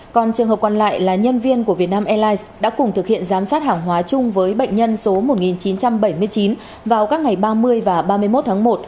còn trường hợp còn lại là nhân viên của vietnam airlines đã cùng thực hiện giám sát hàng hóa chung với bệnh nhân số một nghìn chín trăm bảy mươi chín vào các ngày ba mươi và ba mươi một tháng một